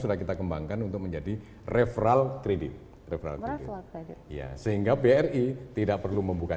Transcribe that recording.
sudah kita kembangkan untuk menjadi referral kredit referral kredit sehingga bri tidak perlu membuka